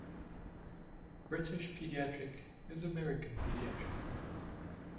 British paediatric is American pediatric.